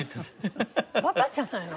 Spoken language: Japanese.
バカじゃないの。